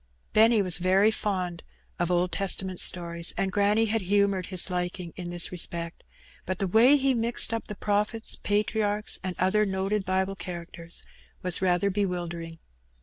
Benny was very fond of Old Testament stories, and granny had humoured his liking in this respect, but the way he mixed np the prophets, patriarchs, and other noted Bible characters, was rather bewildering.